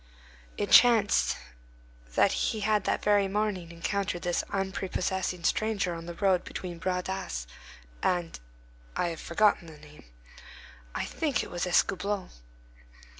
It chanced that he had that very morning encountered this unprepossessing stranger on the road between Bras d'Asse and—I have forgotten the name. I think it was Escoublon.